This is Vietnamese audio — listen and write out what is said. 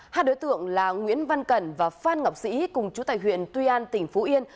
hai đối tượng là nguyễn văn cẩn và phan ngọc sĩ cùng chú tài huyện tuy an tỉnh phú yên